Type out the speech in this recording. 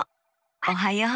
おはよう。